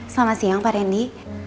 selamat siang pak randy